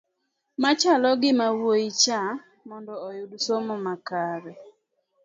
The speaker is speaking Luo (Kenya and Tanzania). machalo gi mawuoyi cha mondo oyud somo makare